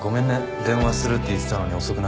電話するって言ってたのに遅くなっちゃって。